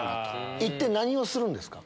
行って何をするんですか。